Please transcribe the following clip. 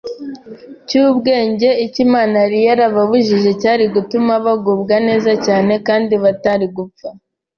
cy’ubwenge icyo Imana yari yarababujije cyari gutuma bagubwa neza cyane kandi ko batari gupfa.